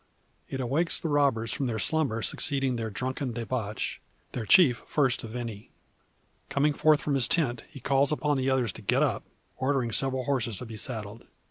It awakes the robbers from the slumber succeeding their drunken debauch; their chief first of any. Coming forth from his tent, he calls upon the others to get up ordering several horses to be saddled.